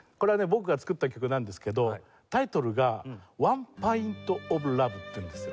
僕が作った曲なんですけどタイトルが『ＯｎｅｐｉｎｔｏｆＬｏｖｅ』っていうんですよ。